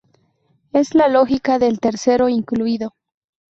Es la lógica del tercero incluido.